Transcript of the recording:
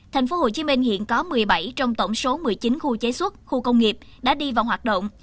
tp hcm hiện có một mươi bảy trong tổng số một mươi chín khu chế xuất khu công nghiệp đã đi vào hoạt động